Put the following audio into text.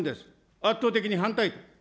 圧倒的に反対。